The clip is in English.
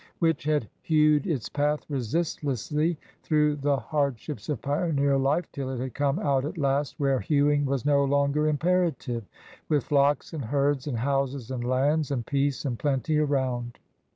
11 which had hewed its path resistlessly through the hard ships of pioneer life till it had come out at last where hewing was no longer imperative — with flocks and herds, and houses and lands, and peace and plenty around.